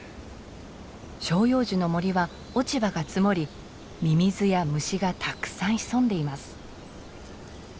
照葉樹の森は落ち葉が積もりミミズや虫がたくさん潜んでいます。